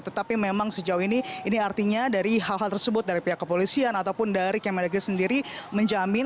tetapi memang sejauh ini ini artinya dari hal hal tersebut dari pihak kepolisian ataupun dari kemendagri sendiri menjamin